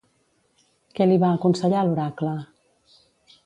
Què li va aconsellar l'oracle?